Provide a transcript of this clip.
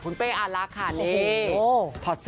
คุณเป้อารักค่ะนี่